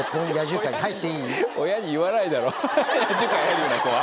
親に言わないだろ。